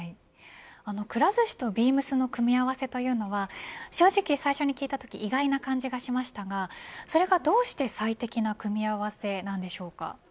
くら寿司とビームスの組み合わせというのは正直最初に聞いたとき意外な感じがしましたがそれがどうして最適な組み合わせなんでしょうか。